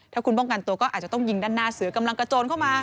ถ้าคุณป้องกันตัวก็อาจจะต้องยิงด้านหน้าเสือกำลังกระโจนเข้ามา